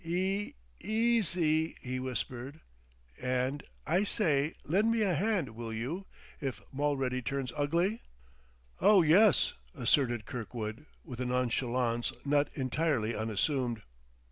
"E easy," he whispered; "and, I say, lend me a hand, will you, if Mulready turns ugly?" "Oh, yes," assented Kirkwood, with a nonchalance not entirely unassumed.